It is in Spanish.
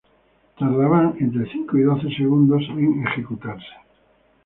Tardaban entre cinco y doce segundos en ejecutarse.